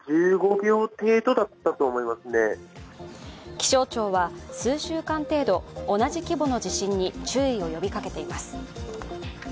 気象庁は数週間程度、同じ規模の地震に注意を呼びかけています。